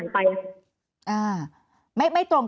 แอนตาซินเยลโรคกระเพาะอาหารท้องอืดจุกเสียดแสบร้อน